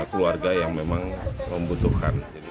keluarga yang memang membutuhkan